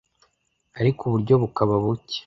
ariko uburyo bukaba buke